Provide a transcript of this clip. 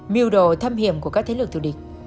mưu đồ thâm hiểm của các thế lực thù địch